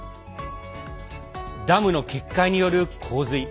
ダムの決壊による洪水。